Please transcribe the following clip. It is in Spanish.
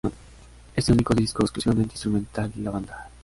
Es el único disco exclusivamente instrumental de la banda.